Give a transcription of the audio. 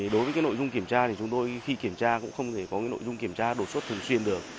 đối với nội dung kiểm tra thì chúng tôi khi kiểm tra cũng không thể có nội dung kiểm tra đột xuất thường xuyên được